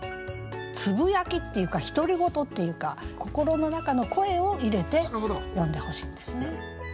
つぶやきっていうか独り言っていうか心の中の声を入れて詠んでほしいんですね。